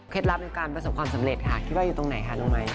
ลับในการประสบความสำเร็จค่ะคิดว่าอยู่ตรงไหนคะน้องไม้